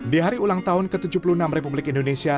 di hari ulang tahun ke tujuh puluh enam republik indonesia